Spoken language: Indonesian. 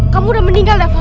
kamu udah meninggal dafa